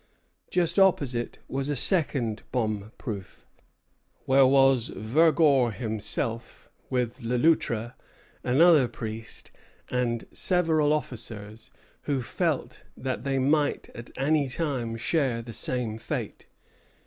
Just opposite was a second bomb proof, where was Vergor himself, with Le Loutre, another priest, and several officers, who felt that they might at any time share the same fate.